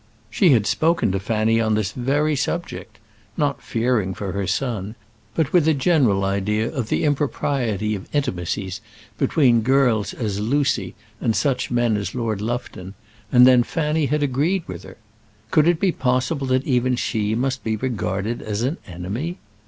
She had spoken to Fanny on this very subject, not fearing for her son, but with a general idea of the impropriety of intimacies between such girls as Lucy and such men as Lord Lufton, and then Fanny had agreed with her. Could it be possible that even she must be regarded as an enemy?